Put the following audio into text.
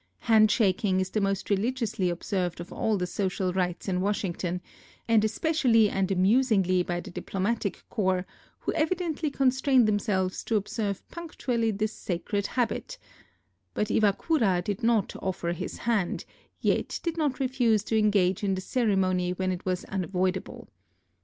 Hand shaking is the most religiously observed of all the social rites in Washington, and especially and amusingly by the diplomatic corps, who evidently constrain themselves to observe punctually this sacred habit; but Iwakura did not offer his hand, yet did not refuse to engage in the ceremony when it was unavoidable.